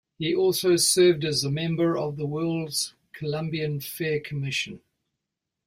He also served as a member of the World's Columbian Fair Commission.